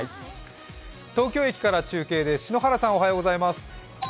東京駅から中継です。